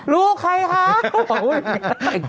ลูกใครคะ